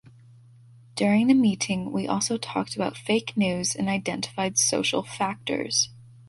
During the meeting, we also talked about Fake News and identified social factors